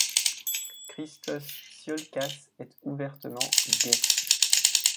Christos Tsiolkas est ouvertement gay.